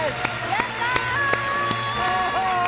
やったー！